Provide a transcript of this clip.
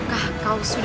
ini adalah jarum beracun